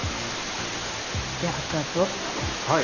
で熱々を食べるんです。